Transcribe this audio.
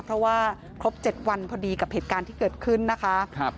เพราะว่าครบ๗วันพอดีกับเหตุการณ์ที่เกิดขึ้นนะคะ